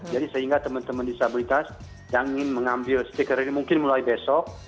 jadi sehingga teman teman disabilitas yang ingin mengambil stiker ini mungkin mulai besok